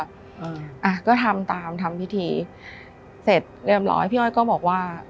อ่าก็ทำตามทำพิธีเสร็จเรียบร้อยพี่อ้อยก็บอกว่า